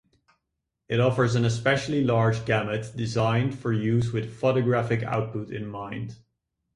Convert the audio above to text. It offers an especially large gamut designed for use with photographic output in mind.